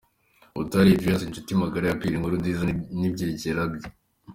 Butare Esdras inshuti magara ya Pierre Nkurunziza n’ ibyegera bye